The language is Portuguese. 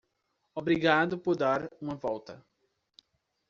Obrigado por dar uma volta.